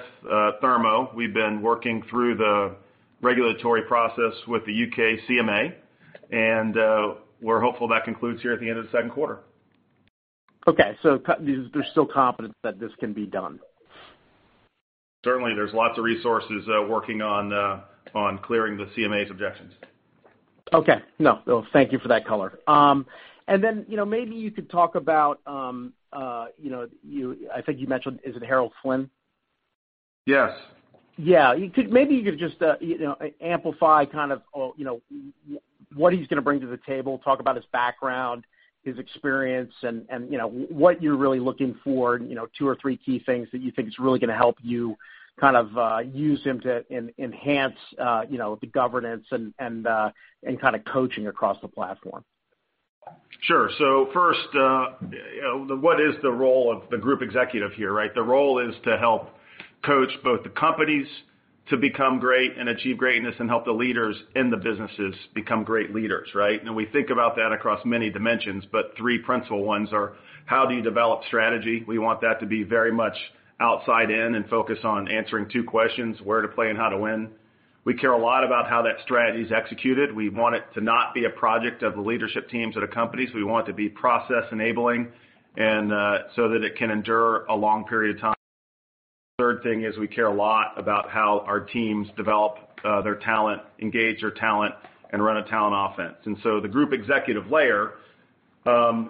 Thermo. We've been working through the regulatory process with the U.K. CMA, and we're hopeful that concludes here at the end of the second quarter. Okay. There's still confidence that this can be done. Certainly, there's lots of resources, working on clearing the CMA's objections. Okay. No, no thank you for that color. You know, maybe you could talk about, you know, I think you mentioned, is it Harold Flynn? Yes. Yeah. Maybe you could just, you know, amplify kind of, you know, what he's gonna bring to the table, talk about his background, his experience, and you know, what you're really looking for, you know, two or three key things that you think is really gonna help you kind of, use him to enhance, you know, the governance and kind of coaching across the platform. Sure. First, you know, what is the role of the group executive here, right. The role is to help coach both the companies to become great and achieve greatness and help the leaders in the businesses become great leaders, right. We think about that across many dimensions, but three principal ones are, how do you develop strategy? We want that to be very much outside in and focus on answering two questions, where to play and how to win. We care a lot about how that strategy is executed. We want it to not be a project of the leadership teams at our companies. We want it to be process enabling and, so that it can endure a long period of time. Third thing is we care a lot about how our teams develop, their talent, engage their talent, and run a talent offense. The group executive layer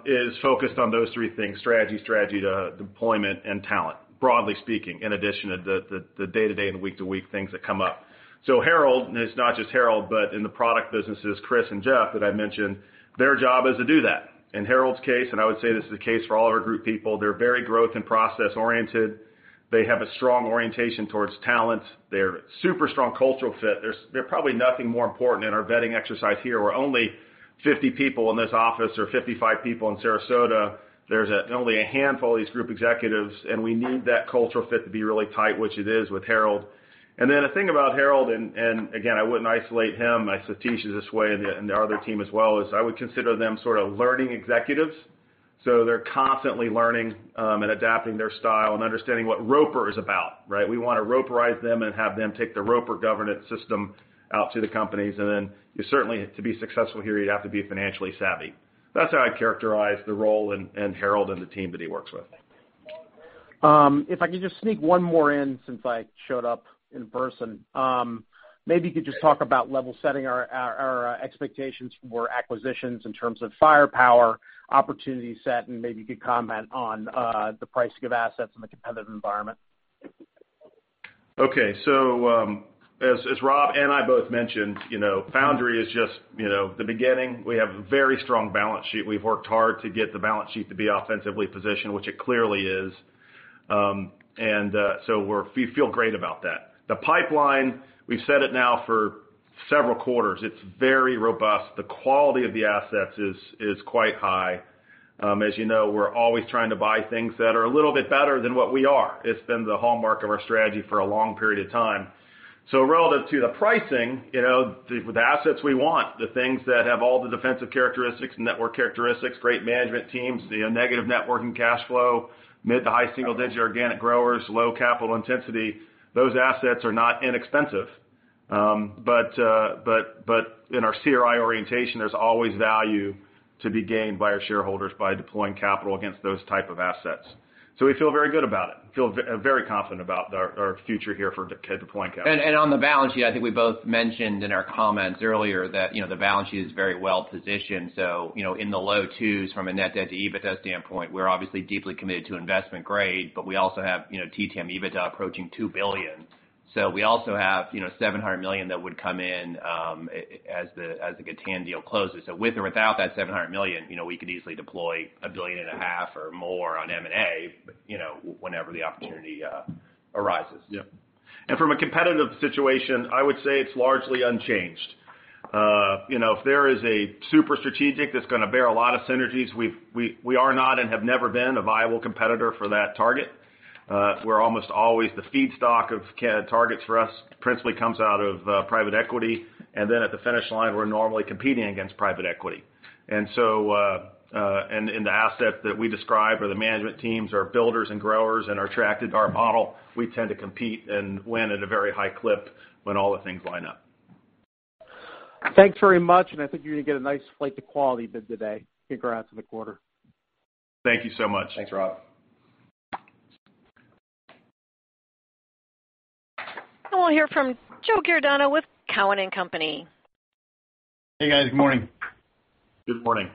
is focused on those three things, strategy, to deployment, and talent, broadly speaking, in addition to the day to day and week to week things that come up. Harold, and it's not just Harold, but in the product businesses, Chris and Jeff that I mentioned, their job is to do that. In Harold's case, and I would say this is the case for all of our group people, they're very growth and process-oriented. They have a strong orientation towards talent. They're super strong cultural fit. There probably nothing more important in our vetting exercise here. We're only 50 people in this office or 55 people in Sarasota. There's only a handful of these group executives, and we need that cultural fit to be really tight, which it is with Harold. The thing about Harold, again, I wouldn't isolate him. Satish is this way and the other team as well, is I would consider them sort of learning executives. They're constantly learning and adapting their style and understanding what Roper is about, right? We wanna Roperize them and have them take the Roper governance system out to the companies. You certainly, to be successful here, you'd have to be financially savvy. That's how I characterize the role and Harold and the team that he works with. If I could just sneak one more in since I showed up in person. Maybe you could just talk about level setting our expectations for acquisitions in terms of firepower, opportunity set, and maybe you could comment on the pricing of assets in the competitive environment. Okay. As Rob and I both mentioned, you know, Foundry is just, you know, the beginning. We have a very strong balance sheet. We've worked hard to get the balance sheet to be offensively positioned, which it clearly is. We feel great about that. The pipeline, we've said it now for several quarters, it's very robust. The quality of the assets is quite high. As you know, we're always trying to buy things that are a little bit better than what we are. It's been the hallmark of our strategy for a long period of time. Relative to the pricing, you know, with the assets we want, the things that have all the defensive characteristics, network characteristics, great management teams, the negative net working cash flow, mid to high single digit organic growers, low capital intensity, those assets are not inexpensive. In our CRI orientation, there's always value to be gained by our shareholders by deploying capital against those type of assets. We feel very good about it. Feel very confident about our future here for deploying capital. On the balance sheet, I think we both mentioned in our comments earlier that, you know, the balance sheet is very well positioned. You know, in the low 2s from a net debt to EBITDA standpoint, we're obviously deeply committed to investment grade, but we also have, you know, TTM EBITDA approaching $2 billion. We also have, you know, $700 million that would come in as the Gatan deal closes. With or without that $700 million, you know, we could easily deploy $1.5 billion or more on M&A, you know, whenever the opportunity arises. Yeah. From a competitive situation, I would say it's largely unchanged. You know, if there is a super strategic that's gonna bear a lot of synergies, we are not and have never been a viable competitor for that target. We're almost always the feedstock of targets for us principally comes out of private equity. Then at the finish line, we're normally competing against private equity. The assets that we describe or the management teams or builders and growers and are attracted to our model, we tend to compete and win at a very high clip when all the things line up. Thanks very much, and I think you're gonna get a nice flight to quality bid today. Congrats on the quarter. Thank you so much. Thanks, Rob. We'll hear from Joe Giordano with Cowen and Company. Hey, guys. Good morning. Good morning.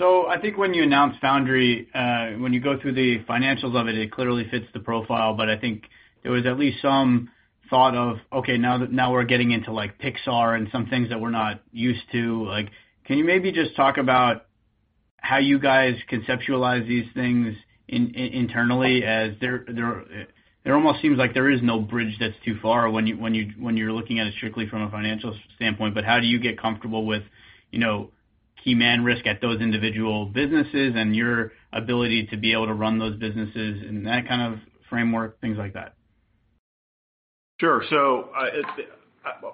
I think when you announced Foundry, when you go through the financials of it clearly fits the profile, but I think there was at least some thought of, okay, now that we're getting into like Pixar and some things that we're not used to. Like, can you maybe just talk about how you guys conceptualize these things internally as it almost seems like there is no bridge that's too far when you're looking at it strictly from a financial standpoint. How do you get comfortable with, you know, key man risk at those individual businesses and your ability to be able to run those businesses in that kind of framework, things like that? Sure.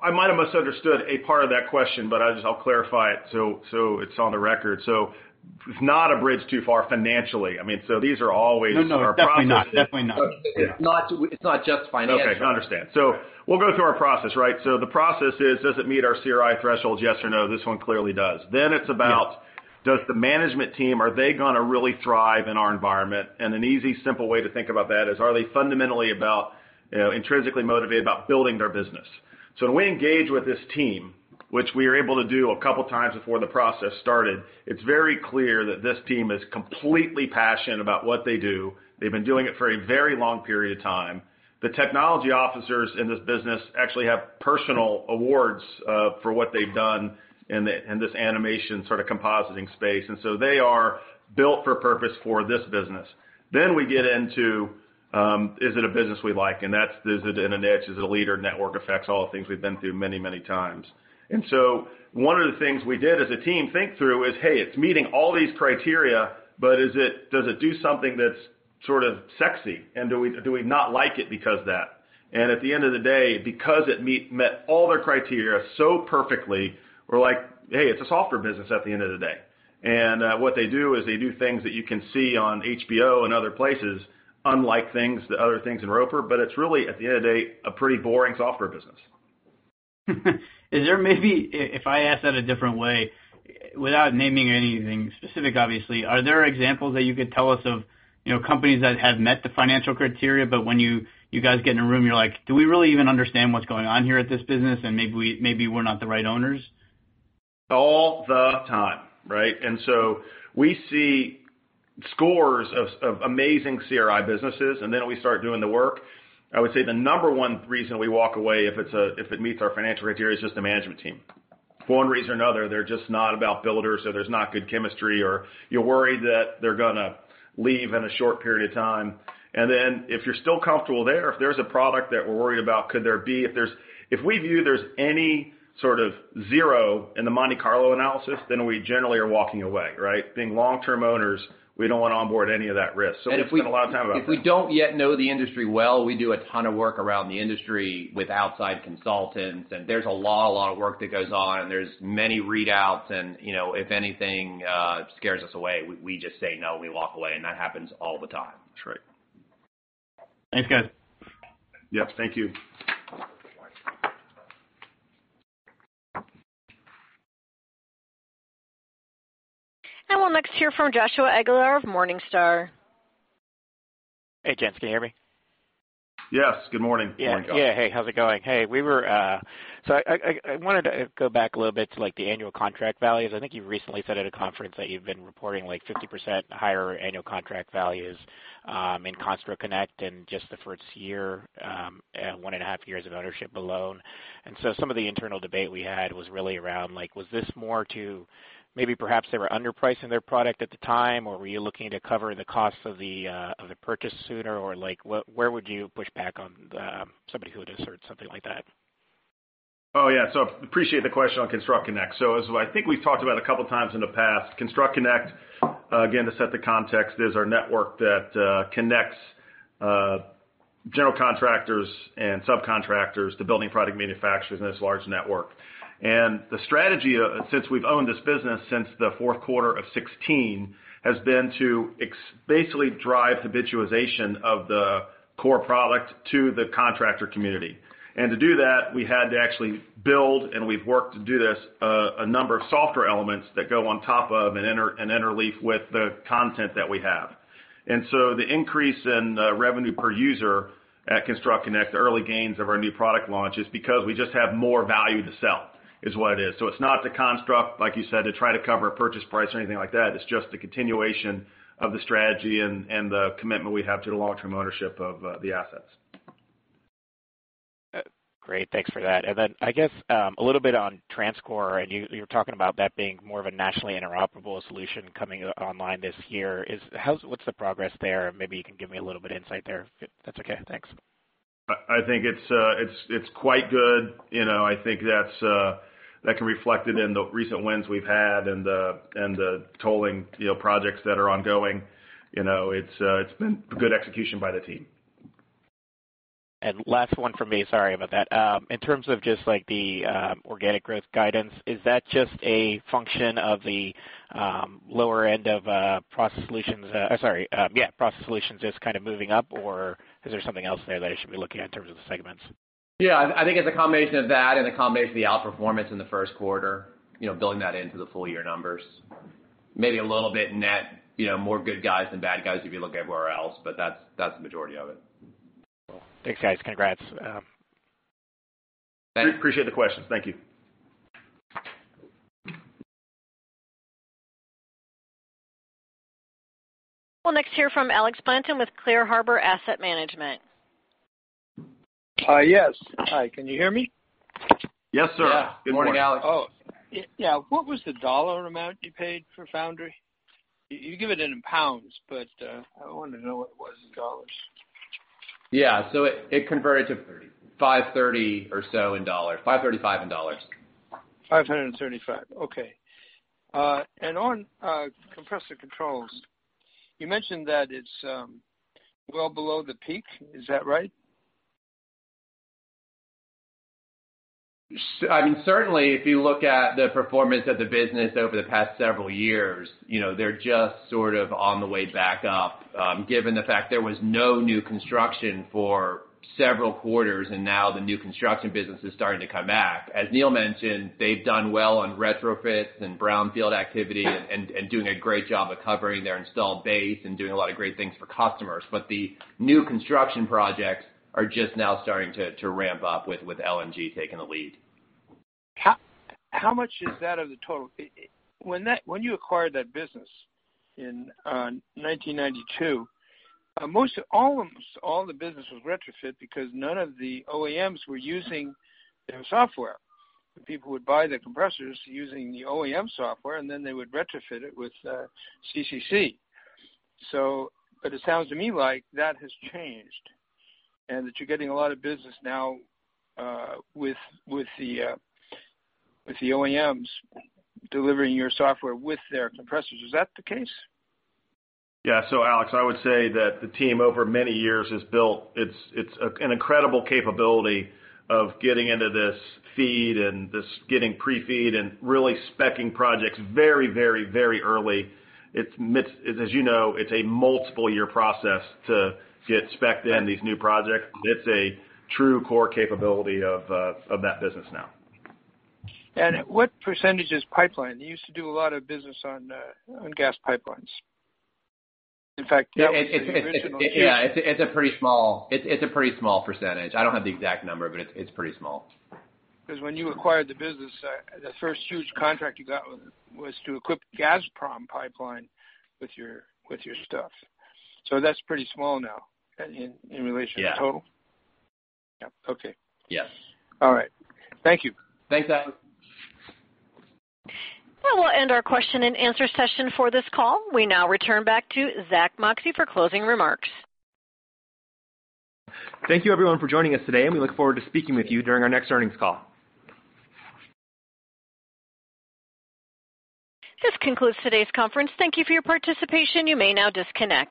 I might have misunderstood a part of that question, but I'll just clarify it, so it's on the record. It's not a bridge too far financially. I mean, so these are always our processes. No, definitely not. Definitely not. It's not just financial. Okay, understand. We'll go through our process, right? The process is, does it meet our CRI threshold, yes or no? This one clearly does. Yeah. It's about, does the management team, are they gonna really thrive in our environment? An easy, simple way to think about that is, are they fundamentally about, you know, intrinsically motivated about building their business? When we engage with this team, which we are able to do a couple times before the process started, it's very clear that this team is completely passionate about what they do. They've been doing it for a very long period of time. The technology officers in this business actually have personal awards for what they've done in this animation sort of compositing space. They are built for purpose for this business. Then we get into, is it a business we like? That's, is it in a niche, is it a leader, network effects, all the things we've been through many, many times. One of the things we did as a team think through is, hey, it's meeting all these criteria, but does it do something that's sort of sexy? Do we not like it because that? At the end of the day, because it met all their criteria so perfectly, we're like, hey, it's a software business at the end of the day. What they do is they do things that you can see on HBO and other places, unlike things, the other things in Roper, but it's really, at the end of the day, a pretty boring software business. Is there maybe if I ask that a different way, without naming anything specific, obviously, are there examples that you could tell us of, you know, companies that have met the financial criteria, but when you guys get in a room, you're like, do we really even understand what's going on here at this business? Maybe we're not the right owners? All the time, right? We see scores of amazing CRI businesses, and then we start doing the work. I would say the number one reason we walk away, if it's, if it meets our financial criteria, is just the management team. For one reason or another, they're just not about builders or there's not good chemistry, or you're worried that they're gonna leave in a short period of time. If you're still comfortable there, if there's a product that we're worried about. If we view there's any sort of zero in the Monte Carlo analysis, then we generally are walking away, right? Being long-term owners, we don't wanna onboard any of that risk. We spend a lot of time about that. If we don't yet know the industry well, we do a ton of work around the industry with outside consultants, and there's a lot, a lot of work that goes on, and there's many readouts and, you know, if anything, scares us away, we just say, no, we walk away, and that happens all the time. That's right. Thanks, guys. Yep, thank you. We'll next hear from Joshua Aguilar of Morningstar. Hey, gents. Can you hear me? Yes. Good morning. Yeah. Hey, how's it going? I wanted to go back a little bit to, like, the annual contract values. I think you recently said at a conference that you've been reporting, like, 50% higher annual contract values in ConstructConnect in just the first year, 1.5 years of ownership alone. Some of the internal debate we had was really around, like, was this more to maybe perhaps they were underpricing their product at the time, or were you looking to cover the cost of the purchase sooner? Like, where would you push back on somebody who would assert something like that? Oh, yeah. Appreciate the question on ConstructConnect. As I think we've talked about a couple of times in the past, ConstructConnect, again, to set the context, is our network that connects general contractors and subcontractors to building product manufacturers in this large network. The strategy since we've owned this business since the fourth quarter of 2016 has been to basically drive habituation of the core product to the contractor community. To do that, we had to actually build, and we've worked to do this, a number of software elements that go on top of and interleaf with the content that we have. The increase in revenue per user at ConstructConnect, the early gains of our new product launch, is because we just have more value to sell, is what it is. It's not to construct, like you said, to try to cover a purchase price or anything like that. It's just the continuation of the strategy and the commitment we have to the long-term ownership of the assets. Great. Thanks for that. I guess a little bit on TransCore, and you you're talking about that being more of a nationally interoperable solution coming online this year. What's the progress there? Maybe you can give me a little bit of insight there, if that's okay. Thanks. I think it's quite good. You know, I think that can reflect it in the recent wins we've had and the tolling, you know, projects that are ongoing. You know, it's been good execution by the team. Last one from me. Sorry about that. In terms of just like the organic growth guidance, is that just a function of the lower end of process solutions just kind of moving up, or is there something else there that I should be looking at in terms of the segments? Yeah. I think it's a combination of that and a combination of the outperformance in the first quarter, you know, building that into the full year numbers. Maybe a little bit net, you know, more good guys than bad guys if you look everywhere else, but that's the majority of it. Cool. Thanks, guys. Congrats. Thanks. Appreciate the questions. Thank you. We'll next hear from Alex Blanton with Clear Harbor Asset Management. Yes. Hi, can you hear me? Yes, sir. Yeah. Good morning. Morning, Alex. What was the dollar amount you paid for Foundry? You gave it in pounds, but I wanna know what it was in dollars. Yeah. It converted to $530 million or so in dollars. $535 million in dollars. $535 million. Okay. On Compressor Controls, you mentioned that it's well below the peak. Is that right? I mean, certainly if you look at the performance of the business over the past several years, you know, they're just sort of on the way back up, given the fact there was no new construction for several quarters, and now the new construction business is starting to come back. As Neil mentioned, they've done well on retrofits and brownfield activity and doing a great job of covering their installed base and doing a lot of great things for customers. The new construction projects are just now starting to ramp up with LNG taking the lead. How much is that of the total? When you acquired that business in 1992, all the business was retrofit because none of the OEMs were using their software. The people would buy the compressors using the OEM software, and then they would retrofit it with CCC. It sounds to me like that has changed, and that you're getting a lot of business now with the OEMs delivering your software with their compressors. Is that the case? Yeah. Alex, I would say that the team over many years has built its an incredible capability of getting into this feed and this getting pre-feed and really speccing projects very early. As you know, it's a multiple year process to get specced in these new projects. It's a true core capability of that business now. What percentage is pipeline? You used to do a lot of business on gas pipelines. In fact, that was your conventional. Yeah. It's a pretty small percentage. I don't have the exact number, but it's pretty small. Cause when you acquired the business, the first huge contract you got was to equip Gazprom pipeline with your stuff. That's pretty small now in relation to the total? Yeah. Yeah. Okay. Yes. All right. Thank you. Thanks, Alex. Well, we'll end our question and answer session for this call. We now return back to Zack Moxcey for closing remarks. Thank you everyone for joining us today, and we look forward to speaking with you during our next earnings call. This concludes today's conference. Thank you for your participation. You may now disconnect.